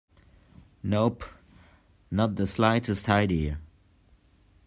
Nope, not the slightest idea.